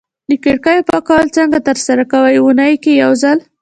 د کړکیو پاکول څنګه ترسره کوی؟ اونۍ کی یوځل